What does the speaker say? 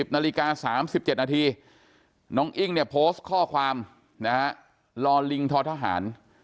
นาฬิกา๓๗นาทีน้องอิ้งเนี่ยโพสต์ข้อความรอลิงทอทหาร